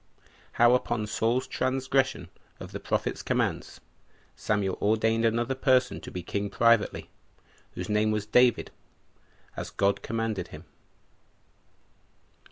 How, Upon Saul's Transgression Of The Prophet's Commands, Samuel Ordained Another Person To Be King Privately, Whose Name Was David, As God Commanded Him.